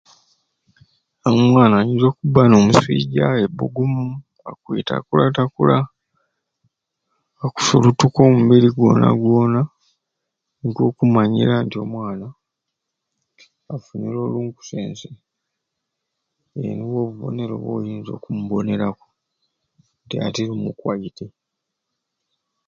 Omwana ayinza okuba n'omwiswijja ebugumu akwetakulatakula okufurutuka omubiri gwona gwona niko okumanyira nti omwana afunire olunkusense obo nibo obubonero boyinza okumuboneraku nti ati bumukweite